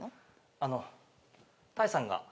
あの多江さんが。